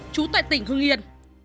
chú tại tỉnh hương yên